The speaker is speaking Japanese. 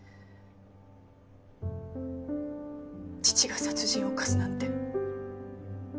父が殺人を犯すなんて